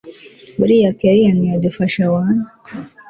buriya kellia ntiyadufasha wana!